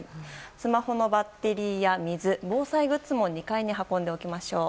スマホのバッテリーや水防災グッズも運んでおきましょう。